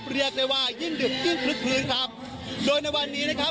เรียกได้ว่ายิ่งดึกยิ่งคลึกคลื้นครับโดยในวันนี้นะครับ